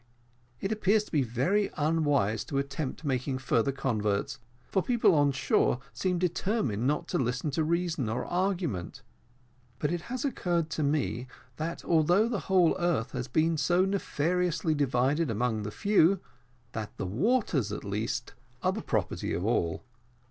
It appears to be very unwise to attempt making further converts, for people on shore seem determined not to listen to reason or argument. But it has occurred to me, that although the whole earth has been so nefariously divided among the few, that the waters at least are the property of all.